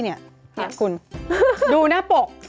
นี่คุณดูหน้าปก